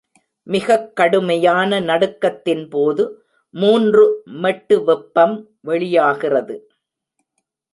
மிகக் கடுமையான நடுக்கத்தின்போது, மூன்று மெட்டு வெப்பம் வெளியாகிறது.